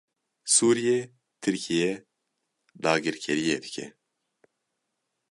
Sûriye; Tirkiye dagirkeriyê dike.